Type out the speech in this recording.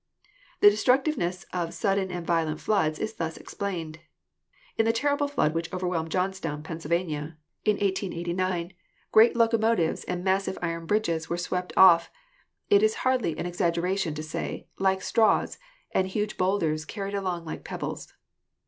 The destructiveness of sudden and violent floods is thus explained. In the ter rible flood which overwhelmed Johnstown, Pennsylvania, 142 GEOLOGY in 18S9, great locomotives and massive iron bridges were swept off, it is hardly an exaggeration to say, like straws, and huge boulders carried along like pebbles.